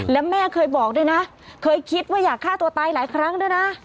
แล้วแม่เคยบอกด้วยนะเคยคิดว่าอยากฆ่าตัวตายหลายครั้งด้วยนะ